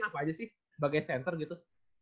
apa aja sih bagai center gitu